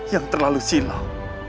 yang terlalu silau